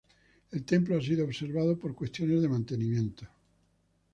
El templo ha sido observado por cuestiones de mantenimiento.